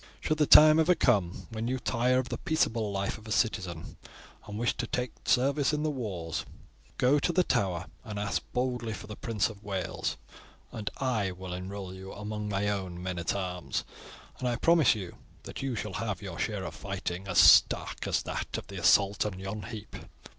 Should the time ever come when you tire of the peaceable life of a citizen and wish to take service in the wars, go to the Tower and ask boldly for the Prince of Wales, and I will enroll you among my own men at arms, and I promise you that you shall have your share of fighting as stark as that of the assault of yon heap.